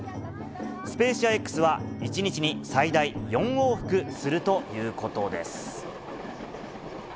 スペーシアＸは、１日に最大４往復するということです。